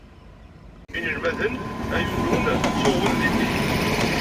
Inelmaden ay ulun ttuɣen dinni